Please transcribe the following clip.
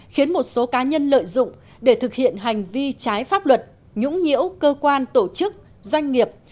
khiến một số cá nhân lợi dụng để thực hiện hành vi trái pháp luật nhũng nhiễu cơ quan tổ chức doanh nghiệp